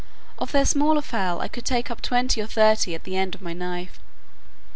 Of their smaller fowl I could take up twenty or thirty at the end of my knife.